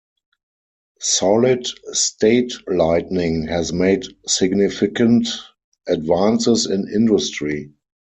Solid state lighting has made significant advances in industry.